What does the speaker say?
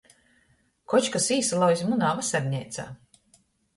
Koč kas īsalauze munā vasarneicā.